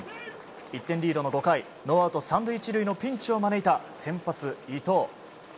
１点リードの５回ノーアウト３塁１塁のピンチを招いた先発、伊藤。